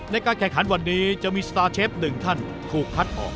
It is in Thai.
ในการแข่งขันวันนี้จะมีสตาร์เชฟหนึ่งท่านถูกคัดออก